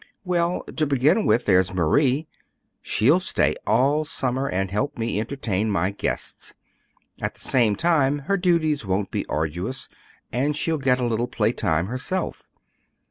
"Well, to begin with, there's Marie. She'll stay all summer and help me entertain my guests; at the same time her duties won't be arduous, and she'll get a little playtime herself.